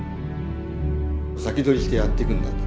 先取りしてやっていくんだと。